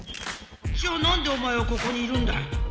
じゃあなんでおまえはここにいるんだい